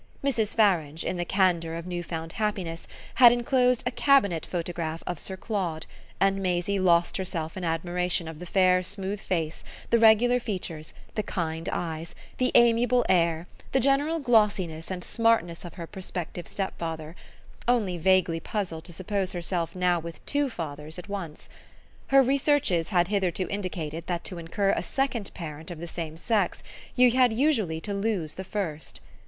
Mrs. Farange, in the candour of new found happiness, had enclosed a "cabinet" photograph of Sir Claude, and Maisie lost herself in admiration of the fair smooth face, the regular features, the kind eyes, the amiable air, the general glossiness and smartness of her prospective stepfather only vaguely puzzled to suppose herself now with two fathers at once. Her researches had hitherto indicated that to incur a second parent of the same sex you had usually to lose the first.